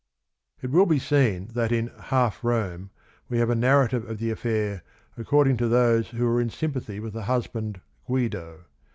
It will be seen that in Half Rome we have a narrative of the affair according to those who were in sympathy with the husband, Guido.